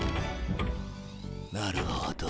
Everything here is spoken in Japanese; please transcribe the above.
なるほど。